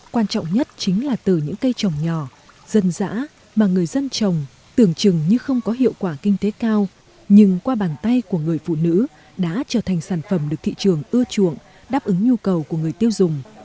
quan trọng nhất chính là từ những cây trồng nhỏ dân dã mà người dân trồng tưởng chừng như không có hiệu quả kinh tế cao nhưng qua bàn tay của người phụ nữ đã trở thành sản phẩm được thị trường ưa chuộng đáp ứng nhu cầu của người tiêu dùng